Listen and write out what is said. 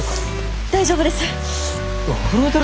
大丈夫ですか？